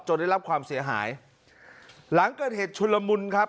ได้รับความเสียหายหลังเกิดเหตุชุนละมุนครับ